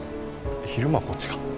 昼間はこっちか。